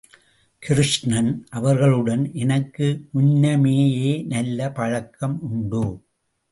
கிருஷ்ணன் அவர்களுடன் எனக்கு முன்னமேயே நல்ல பழக்கம் உண்டு.